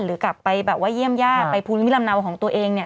หรือกลับไปแบบว่าเยี่ยมญาติไปภูมิลำเนาของตัวเองเนี่ย